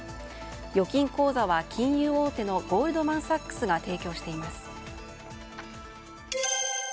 預金口座は、金融大手のゴールドマン・サックスが提供しています。